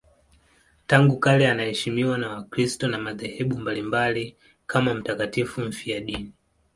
Tangu kale anaheshimiwa na Wakristo wa madhehebu mbalimbali kama mtakatifu mfiadini.